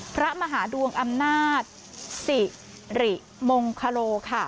พระมหาดวงอำนาจสิริมงคโลค่ะ